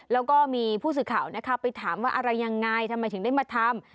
แล้วก็มีผู้สื่อข่าวนะคะไปถามว่าอะไรยังไงทำไมถึงได้มาทำ